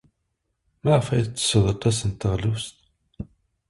Maɣef ay tettessed aṭas n teɣlust?